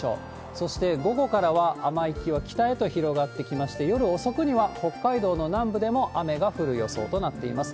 そして午後からは、雨域は北へと広がってきまして、夜遅くには北海道の南部でも雨が降る予想となっています。